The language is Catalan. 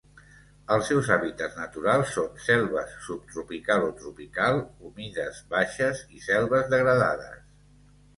Els seus hàbitats naturals són selves subtropical o tropical humides baixes, i selves degradades.